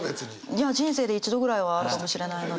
いや人生で一度ぐらいはあるかもしれないので。